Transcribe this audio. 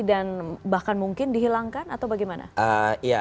dan bahkan mungkin dihilangkan atau bagaimana